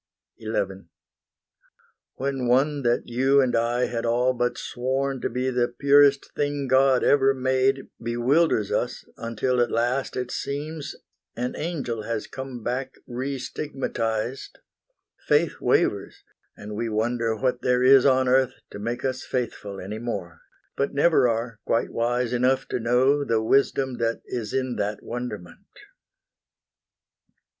XI When one that you and I had all but sworn To be the purest thing God ever made Bewilders us until at last it seems An angel has come back restigmatized, Faith wavers, and we wonder what there is On earth to make us faithful any more, But never are quite wise enough to know The wisdom that is in that wonderment.